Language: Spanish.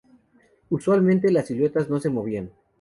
Usualmente, las siluetas no se movían.